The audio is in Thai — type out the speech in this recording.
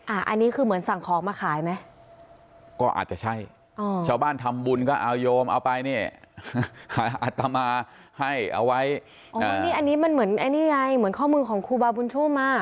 อันนี้คือเหมือนสั่งของมาขายไหมก็อาจจะใช่ชาวบ้านทำบุญก็เอาโยมเอาไปเนี่ยอัตมาให้เอาไว้อ๋อนี่อันนี้มันเหมือนอันนี้ไงเหมือนข้อมือของครูบาบุญชุ่มมา